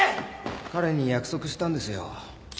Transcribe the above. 彼に約束したんですよ